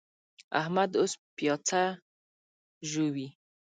احمد اوس پياڅه ژووي.